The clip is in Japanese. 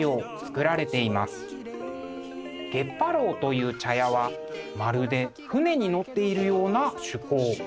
月波楼という茶屋はまるで船に乗っているような趣向。